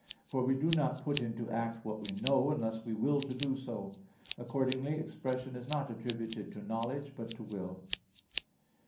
For we do not put into act what we know, unless we will to do so. Accordingly expression is not attributed to knowledge, but to will.